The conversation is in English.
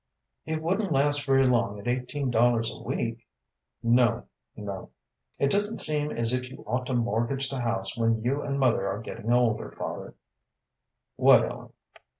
"It wouldn't last very long at eighteen dollars a week?" "No, no." "It doesn't seem as if you ought to mortgage the house when you and mother are getting older. Father " "What, Ellen?"